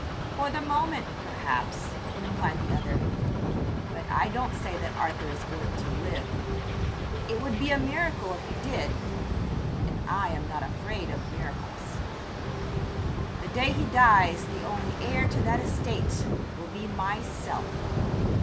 "'For the moment, perhaps,' replied the other, 'but I don't say that Arthur is going to live; it would be a miracle if he did, and I am not afraid of miracles. The day he dies the only heir to that estate will be myself.'